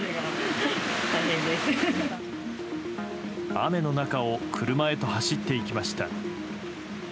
雨の中を車へと走っていきました。